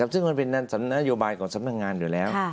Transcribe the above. ซึ่งมันเป็นนโยบายของสำนักงานอยู่แล้ว